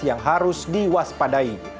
yang harus diwaspadai